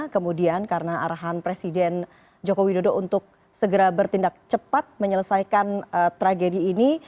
kemudian karena arahan presiden joko widodo untuk segera bertindak cepat menyelesaikan tragedi ini